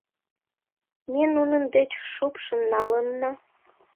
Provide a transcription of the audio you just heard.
Ме нунын деч шупшын налынна...